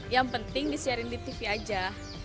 yang penting disiarin di tv aja